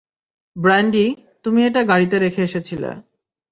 Brandy, তুমি এটা গাড়িতে রেখে এসেছিলে।